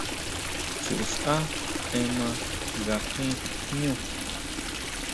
Chuxʼá énma nga jin jñú.